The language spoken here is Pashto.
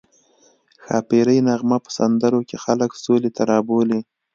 ښاپیرۍ نغمه په سندرو کې خلک سولې ته رابولي